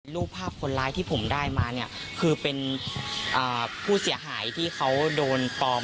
รูปภาพคนร้ายที่ผมได้มาเนี่ยคือเป็นผู้เสียหายที่เขาโดนปลอม